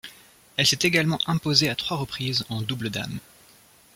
Elle s'est également imposée à trois reprises en double dames.